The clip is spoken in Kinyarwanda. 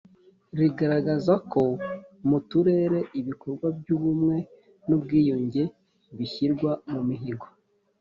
rigaragaza ko mu turere ibikorwa by ubumwe n ubwiyunge bishyirwa mu mihigo